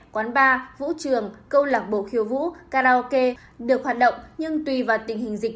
quán bar vũ trường câu lạc bộ khiêu vũ karaoke được hoạt động nhưng tùy vào tình hình dịch